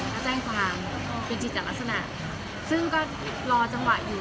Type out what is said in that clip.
ก็แจ้งความเป็นจิตลักษณะซึ่งก็รอจังหวะอยู่